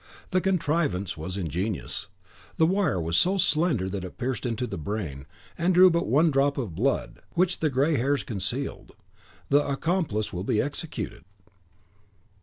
The contrivance was ingenious: the wire was so slender that it pierced to the brain, and drew but one drop of blood, which the grey hairs concealed. The accomplice will be executed."